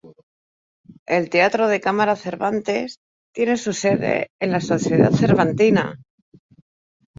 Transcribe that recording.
El Teatro de Cámara Cervantes tiene su sede en la Sociedad Cervantina.